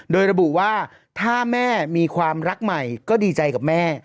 โดยระบุว่าถ้าแม่มีความรักใหม่ก็ดีใจกับแม่